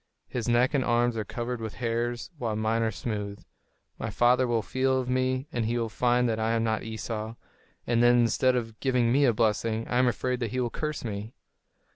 His neck and arms are covered with hairs, while mine are smooth. My father will feel of me, and he will find that I am not Esau; and then, instead of giving me a blessing, I am afraid that he will curse me."